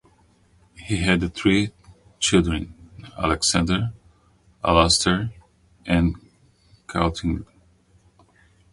He had three children: Alexander, Alastair and Caitlin.